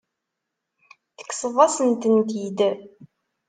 Tekkseḍ-asen-tent-id.